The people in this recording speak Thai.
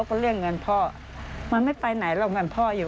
ทฤษฐานไม่ได้ทั้งคู่